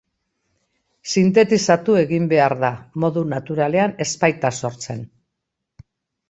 Sintetizatu egin behar da, modu naturalean ez baita sortzen.